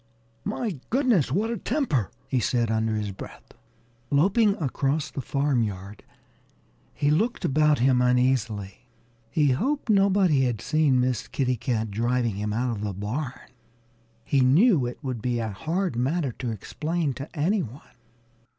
"My goodness! What a temper!" he said under his breath. Loping across the farmyard, he looked about him uneasily. He hoped nobody had seen Miss Kitty Cat driving him out of the barn. He knew it would be a hard matter to explain to any one.